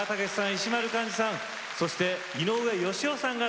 石丸幹二さんそして井上芳雄さんが登場いたします。